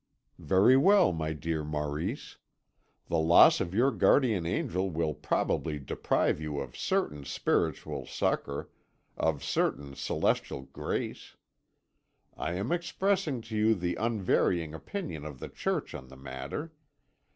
"Very well, my dear Maurice. The loss of your guardian angel will probably deprive you of certain spiritual succour, of certain celestial grace. I am expressing to you the unvarying opinion of the Church on the matter.